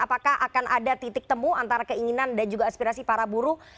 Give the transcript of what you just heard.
apakah akan ada titik temu antara keinginan dan juga aspirasi para buruh